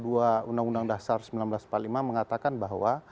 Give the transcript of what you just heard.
undang undang dasar seribu sembilan ratus empat puluh lima mengatakan bahwa